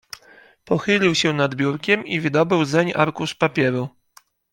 "Pochylił się nad biurkiem i wydobył zeń arkusz papieru."